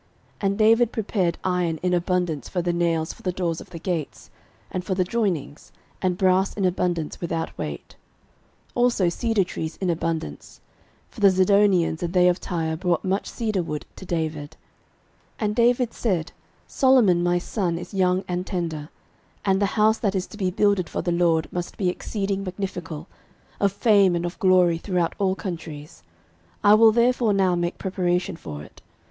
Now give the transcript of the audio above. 13:022:003 And David prepared iron in abundance for the nails for the doors of the gates, and for the joinings; and brass in abundance without weight; 13:022:004 Also cedar trees in abundance: for the Zidonians and they of Tyre brought much cedar wood to David. 13:022:005 And David said, Solomon my son is young and tender, and the house that is to be builded for the LORD must be exceeding magnifical, of fame and of glory throughout all countries: I will therefore now make preparation for it.